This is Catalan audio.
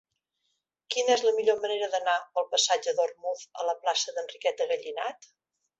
Quina és la millor manera d'anar del passatge d'Ormuz a la plaça d'Enriqueta Gallinat?